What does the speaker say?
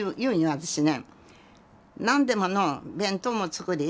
私ね。